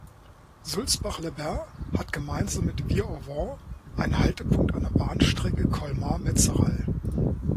Soultzbach-les-Bains hat gemeinsam mit Wihr-au-Val einen Haltepunkt an der Bahnstrecke Colmar–Metzeral.